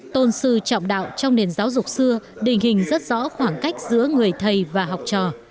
tôn sư trọng đạo trong nền giáo dục xưa định hình rất rõ khoảng cách giữa người thầy và học trò